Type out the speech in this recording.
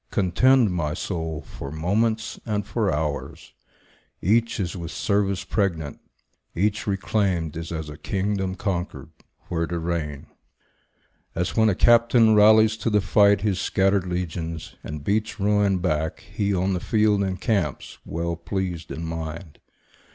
Contend, my soul, for moments and for hours; Each is with service pregnant; each reclaimed Is as a kingdom conquered, where to reign. As when a captain rallies to the fight His scattered legions, and beats ruin back, He, on the field, encamps, well pleased in mind.